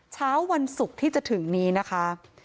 เช้าวันศุกร์ที่จะถึงนี้นะคะ